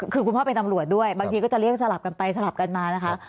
คือคุณพ่อเป็นตำรวจด้วยบางทีก็จะเรียกสลับกันไปสลับกันมานะคะ